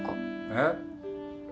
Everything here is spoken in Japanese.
えっ？